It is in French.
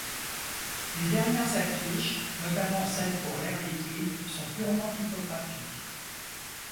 Les dernières affiches, notamment celle pour L'Air Liquide, sont purement typographiques.